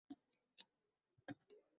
- Men kelmayman...